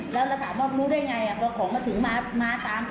แล้วถามว่าก็มองรู้ได้ไงอะเดี๋ยวมันถึงมาตาม